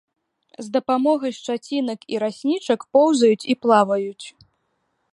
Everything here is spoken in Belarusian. З дапамогай шчацінак і раснічак поўзаюць і плаваюць.